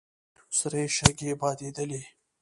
سرې شګې بادېدلې.